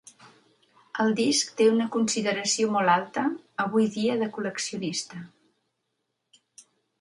El disc té una consideració molt alta avui dia de col·leccionista.